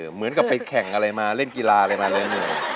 เหมือนกับไปแข่งอะไรมาเล่นกีฬาอะไรมาเรื่อย